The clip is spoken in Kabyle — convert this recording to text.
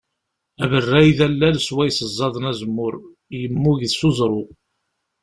Aberray d allal swayes ẓẓaden azemmur, yemmug s uẓru.